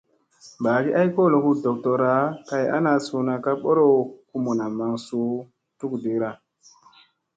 Bagi ay kolo hu doctorra kay ana suuna ka ɓorow kumuna maŋ suu tukɗiina.